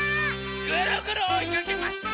ぐるぐるおいかけます！